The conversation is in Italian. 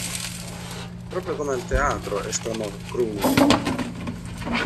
Proprio come al teatro, esclamò Cruni.